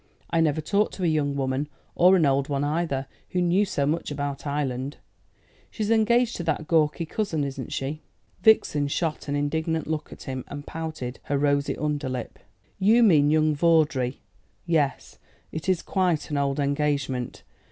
I never talked to a young woman, or an old one either, who knew so much about Ireland. She's engaged to that gawky cousin, isn't she?" Vixen shot an indignant look at him, and pouted her rosy underlip. "You mean young Vawdrey. Yes; it is quite an old engagement.